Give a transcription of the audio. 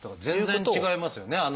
全然違いますよね